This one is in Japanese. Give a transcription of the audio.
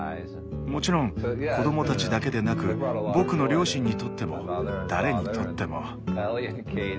もちろん子供たちだけでなく僕の両親にとっても誰にとっても。